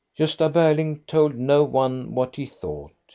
Gosta Berling told no one what he thought.